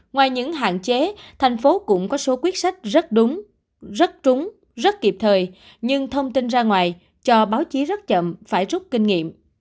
ngoài những hạn chế thành phố cũng có số quyết sách rất đúng rất trúng rất kịp thời nhưng thông tin ra ngoài cho báo chí rất chậm phải rút kinh nghiệm